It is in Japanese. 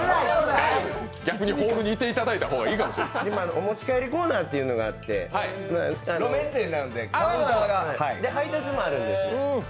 お持ち帰りコーナーというのがあって配達もあるんですよ。